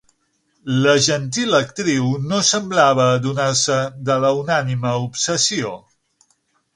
La gentil actriu no semblava adonar-se de la unànime obsessió.